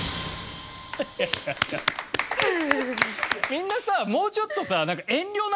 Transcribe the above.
みんなさもうちょっとさ。